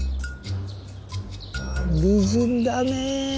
美人だね。